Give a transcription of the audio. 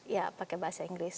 ya pakai bahasa inggris